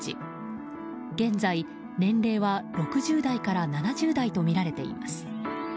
現在、年齢は６０代から７０代とみられています。